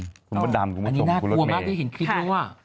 ฟิลิปปินคุณพระดำคุณผู้ชมคุณรถเมอันนี้น่ากลัวมากที่เห็นคิดด้วยว่า